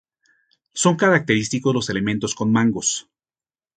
Son característicos los elementos con mangos.